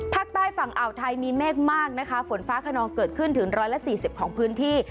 ภาคใต้ฝั่งอ่าวไทยมีเมฆมากนะคะฝนฟ้าขนองเกิดขึ้นถึง๑๔๐ของพื้นที่